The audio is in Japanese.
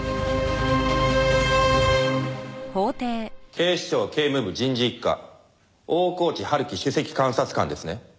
警視庁警務部人事一課大河内春樹首席監察官ですね？